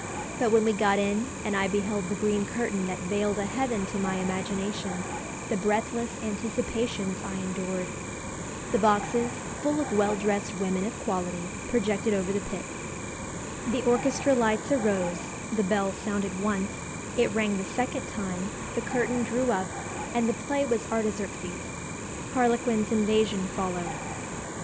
But when we got in, and I beheld the green curtain that veiled a heaven to my imagination, the breathless anticipations I endured! The boxes, full of well dressed women of quality, projected over the pit. The orchestra lights arose the bell sounded once it rang the second time the curtain drew up, and the play was 'Artaxerxes;' 'Harlequin's Invasion' followed."